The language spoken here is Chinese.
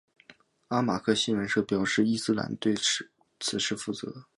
阿马克新闻社表示伊斯兰国对此事负责。